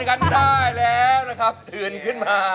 กันได้แล้วนะครับตื่นขึ้นมา